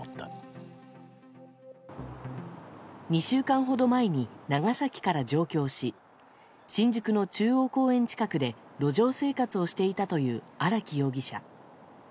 ２週間ほど前に長崎から上京し新宿の中央公園近くで路上生活をしていたという荒木容疑者。